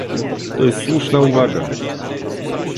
To jest słuszna uwaga